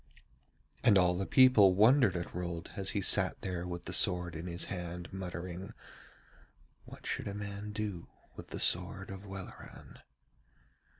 And all the people wondered at Rold as he sat there with the sword in his hand muttering, 'What should a man do with the sword of Welleran?'